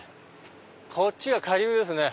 こっちは下流ですね。